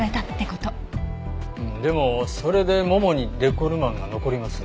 でもそれでももにデコルマンが残ります？